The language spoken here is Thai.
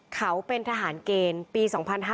เขาเป็นทหารเกณฑ์ปี๒๕๕๙